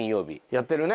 やってるね。